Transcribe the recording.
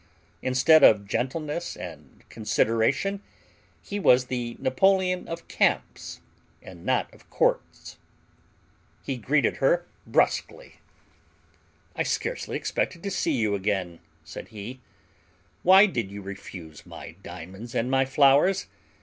Instead of gentleness and consideration he was the Napoleon of camps, and not of courts. He greeted her bruskly. "I scarcely expected to see you again," said he. "Why did you refuse my diamonds and my flowers?